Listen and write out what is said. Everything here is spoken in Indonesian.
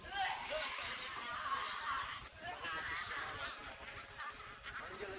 jalan kung jalan se di sini ada pesta besar besaran